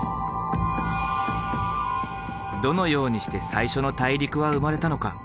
どのようにして最初の大陸は生まれたのか？